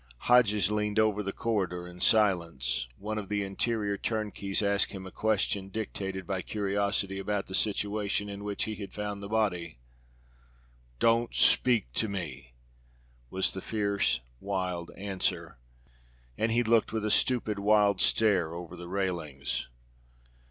Hodges leaned over the corridor in silence. One of the inferior turnkeys asked him a question dictated by curiosity about the situation in which he had found the body. "Don't speak to me!" was the fierce, wild answer. And he looked with a stupid wild stare over the railings.